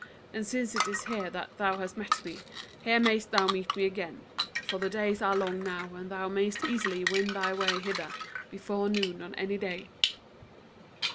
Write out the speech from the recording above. And since it is here that thou hast met me, here mayst thou meet me again; for the days are long now, and thou mayst easily win thy way hither before noon on any day.'